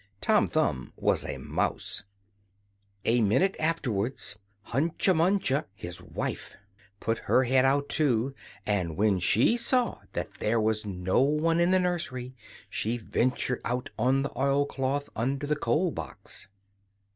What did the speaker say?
Tom Thumb was a mouse. A minute afterwards, Hunca Munca, his wife, put her head out, too; and when she saw that there was no one in the nursery, she ventured out on the oilcloth under the coal box.